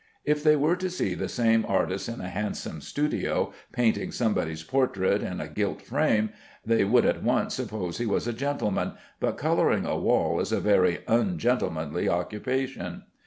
If they were to see the same artist in a handsome studio painting somebody's portrait in a gilt frame, they would at once suppose he was a gentleman, but coloring a wall is a very ungentlemanly occupation.